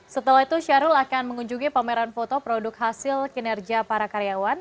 setelah itu syahrul akan mengunjungi pameran foto produk hasil kinerja para karyawan